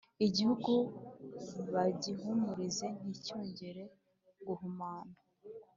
igihugu bagihumurize nticyongere guhumana